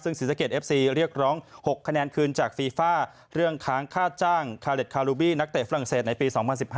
ซึ่งศรีสะเกดเอฟซีเรียกร้อง๖คะแนนคืนจากฟีฟ่าเรื่องค้างค่าจ้างคาเล็ดคาลูบี้นักเตะฝรั่งเศสในปี๒๐๑๕